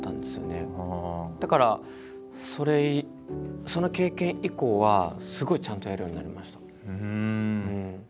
だからそれその経験以降はすごいちゃんとやるようになりました。